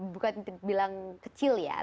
bukan bilang kecil ya